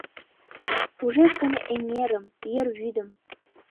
Ужеш гын эҥерым, ер вӱдым: